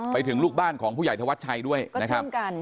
ไปถึงลูกบ้านของผู้ใหญ่ธวัชชัยด้วยนะครับ